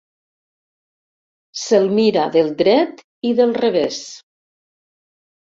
Se'l mira del dret i del revés.